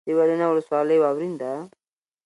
دولینه ولسوالۍ واورین ده؟